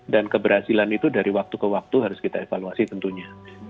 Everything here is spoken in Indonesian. dan keberhasilan itu dari waktu ke waktu harus kita evaluasi tentunya